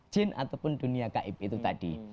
jin ataupun dunia gaib itu tadi